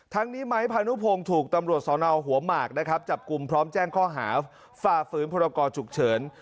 ทั้งนี้ไม้พานุพงศ์ถูกตำรวจสอนอหัวหมากนะครับจับกลุ่มพร้อมแจ้งข้อหาฝ่าฝืนพรกรฉุกเฉิน